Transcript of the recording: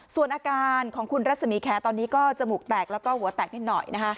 ส่วนอาการของคุณรัศมีแคร์ตอนนี้ก็จมูกแตกแล้วก็หัวแตกนิดหน่อยนะคะ